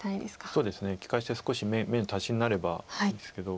そうですね利かして少し眼の足しになればいいんですけど。